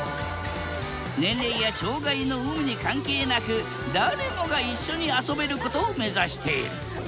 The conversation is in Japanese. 年齢や障害の有無に関係なく誰もが一緒に遊べることを目指している。